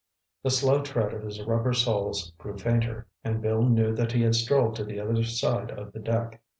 The slow tread of his rubber soles grew fainter, and Bill knew that he had strolled to the other side of the deck.